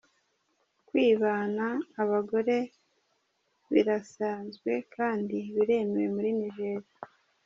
Kwibana abagore birasanzwe kandi biremewe muri Niger.